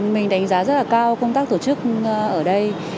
mình đánh giá rất là cao công tác tổ chức ở đây